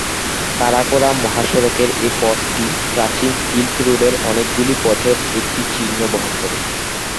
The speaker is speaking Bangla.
কারাকোরাম মহাসড়কের এ পথটি প্রাচীন সিল্ক রোডের অনেকগুলি পথের একটি চিহ্ন বহন করে।